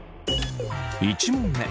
１問目。